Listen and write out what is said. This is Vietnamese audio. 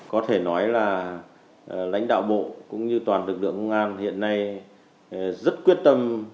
có thể nói là lãnh đạo bộ cũng như toàn lực lượng công an hiện nay rất quyết tâm